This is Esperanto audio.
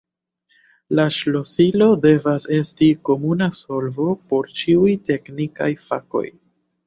La ŝlosilo devas esti komuna solvo por ĉiuj teknikaj fakoj.